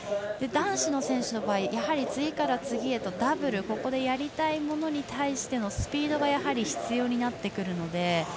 男子の選手の場合、次から次へとダブル、やりたいものに対してのスピードがやはり必要になってくるので。